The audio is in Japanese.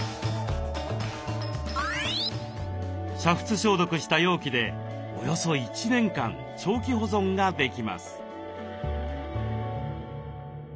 煮沸消毒した容器でおよそ１年間長期保存ができます。